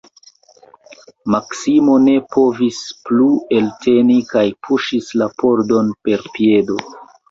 Maksimo ne povis plu elteni kaj puŝis la pordon per piedo.